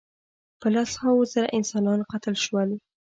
په لس هاوو زره انسانان قتل شول.